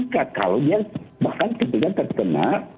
kalau dia bahkan ketika terkena